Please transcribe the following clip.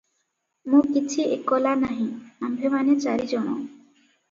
ମୁଁ କିଛି ଏକଲା ନାହିଁ ; ଆମ୍ଭେମାନେ ଚାରିଜଣ ।"